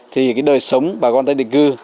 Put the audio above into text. thì đời sống bà con tái định cư